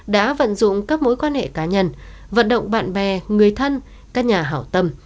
đã vận dụng các mối quan hệ cá nhân vận động bạn bè người thân các nhà hảo tâm